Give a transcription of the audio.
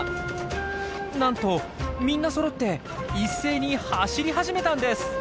なんとみんなそろって一斉に走り始めたんです！